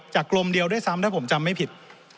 กลมเดียวด้วยซ้ำถ้าผมจำไม่ผิด